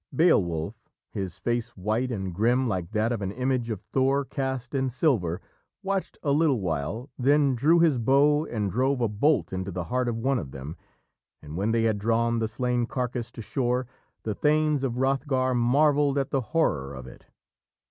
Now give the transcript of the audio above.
Beowulf, his face white and grim like that of an image of Thor cast in silver, watched a little while, then drew his bow and drove a bolt into the heart of one of them, and when they had drawn the slain carcase to shore, the thanes of Hrothgar marvelled at the horror of it.